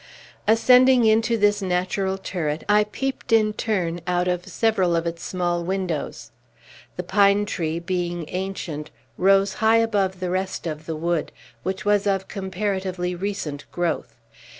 Ascending into this natural turret, I peeped in turn out of several of its small windows. The pine tree, being ancient, rose high above the rest of the wood, which was of comparatively recent growth.